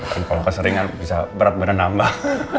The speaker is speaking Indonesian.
kalau keseringan bisa berat bener nambah